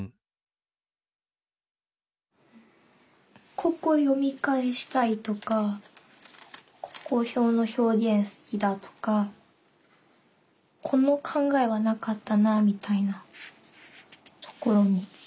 ここ読み返したいとかここの表現好きだとかこの考えはなかったなみたいなところに。